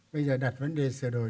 bây giờ đặt vấn đề sửa đổi